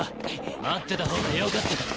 待ってた方が良かったか？